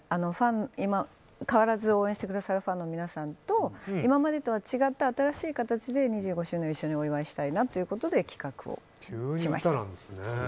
変わらず応援してくれるファンの皆さんと今までとは違った新しい形で２５周年を一緒にお祝いしたいなということで急に歌なんですね。